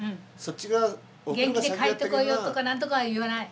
元気で帰ってこいよとか何とかは言わない。